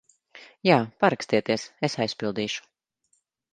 Jā. Parakstieties, es aizpildīšu.